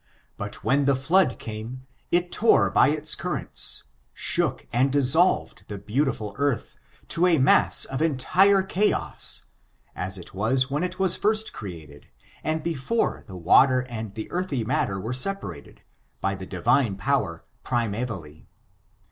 But when the flood came, it tore by its currents, shook and dissolved the beautiful earth, to a mass of entire chaos, as it was when it was first created, and before the water and the earthy matter I were separated, by the Divine Power, primevally.